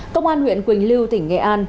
công an huyện quỳnh lưu tỉnh nghệ an